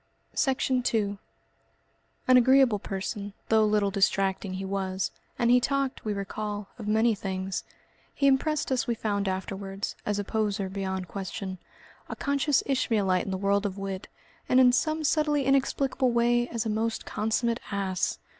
Section 2 An agreeable person, though a little distracting, he was, and he talked, we recall, of many things. He impressed us, we found afterwards, as a poseur beyond question, a conscious Ishmaelite in the world of wit, and in some subtly inexplicable way as a most consummate ass.